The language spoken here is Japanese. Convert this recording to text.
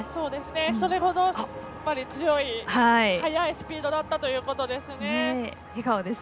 それほど強い、速いスピードだったということですね。